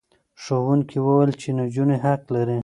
ښوونکي وویل چې نجونې حق لري.